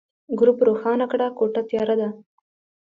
ګروپ روښانه کړه، کوټه تياره ده.